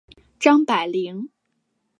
张百麟。